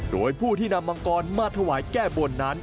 โดยผู้ที่นำมังกรมาถวายแก้บนนั้น